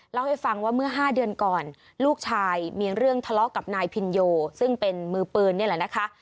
เล่าให้ฟังว่าเมื่อ๕เดือนก่อนลูกชายมีเรื่องทะเลาะกับนายพินโยซึ่งเป็นมือปืนนี่แหละนะคะ